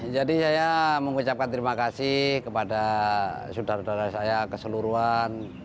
saya mengucapkan terima kasih kepada saudara saudara saya keseluruhan